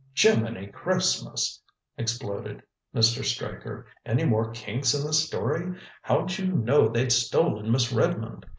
"Jimminy Christmas!" exploded Mr. Straker. "Any more kinks in this story? How'd you know they'd stolen Miss Redmond?"